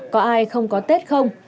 có ai không có tết không